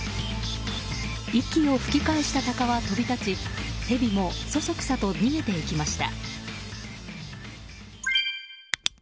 息を吹き返したタカは飛び立ちヘビもそそくさと逃げていきました。